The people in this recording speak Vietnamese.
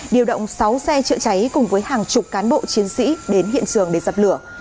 điều động sáu xe chữa cháy cùng với hàng chục cán bộ chiến sĩ đến hiện trường để dập lửa